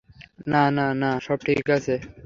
না, না, না, সব ঠিক আছে।